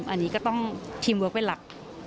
อันนี้ก็ต้องทีมเวิร์คเป็นหลัก